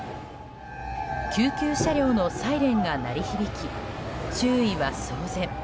救急車両のサイレンが鳴り響き周囲は騒然。